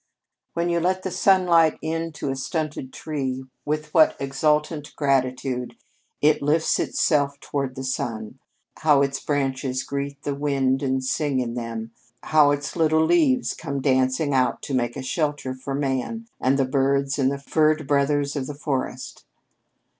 "When you let the sunlight in to a stunted tree, with what exultant gratitude it lifts itself toward the sun! How its branches greet the wind and sing in them, how its little leaves come dancing out to make a shelter for man and the birds and the furred brothers of the forest!